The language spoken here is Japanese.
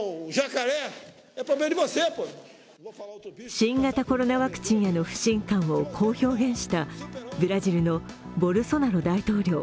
新型コロナワクチンへの不信感を、こう表現したブラジルのボルソナロ大統領。